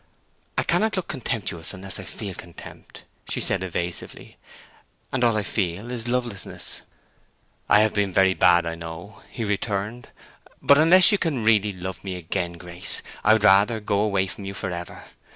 "I cannot look contemptuous unless I feel contempt," she said, evasively. "And all I feel is lovelessness." "I have been very bad, I know," he returned. "But unless you can really love me again, Grace, I would rather go away from you forever.